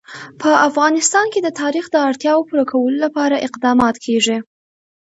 په افغانستان کې د تاریخ د اړتیاوو پوره کولو لپاره اقدامات کېږي.